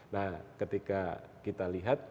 nah ketika kita lihat